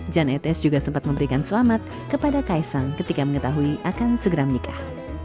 jan etes juga sempat memberikan selamat kepada kaisang ketika mengetahui akan segera menikah